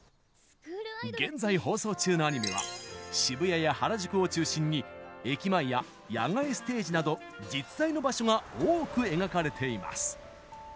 現在放送中のアニメは渋谷や原宿を中心に駅前や野外ステージなど実在の場所が多く描かれています。